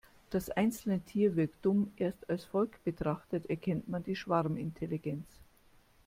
Das einzelne Tier wirkt dumm, erst als Volk betrachtet erkennt man die Schwarmintelligenz.